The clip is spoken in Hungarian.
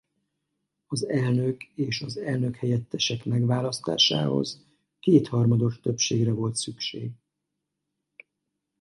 Az elnök és az elnökhelyettesek megválasztásához kétharmados többségre volt szükség.